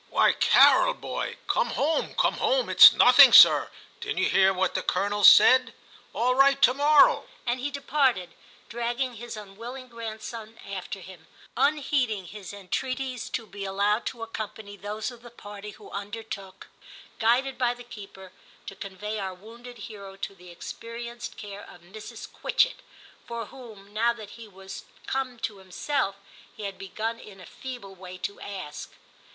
* Why, Carol — boy, come home, come home ; it's nothing, sir ; didn't you hear what the Colonel said } All right to morrow,' and he departed, dragging his unwilling grandson after him, unheeding his entreaties to be allowed to accompany those of the party who undertook, guided by the keeper, to convey our wounded hero to 24 TIM CHAP. the experienced care of Mrs. Quitchett, for whom, now that he was come to himself, he had begun in a feeble way to ask.